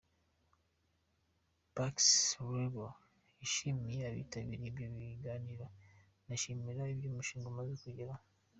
Barks-Ruggles, yashimiye abitabiriye ibyo biganiro anashima iby’umushinga umaze kugeraho.